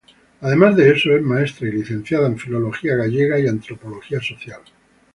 Además de eso, es maestra y licenciada en filología gallega y antropología social.